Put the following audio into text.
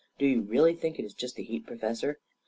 Do you really think it is just the heat, Professor?